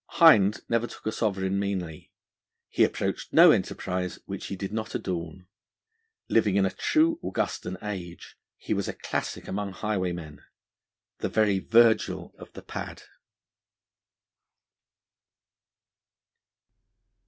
Hind never took a sovereign meanly; he approached no enterprise which he did not adorn. Living in a true Augustan age, he was a classic among highwaymen, the very Virgil of the Pad.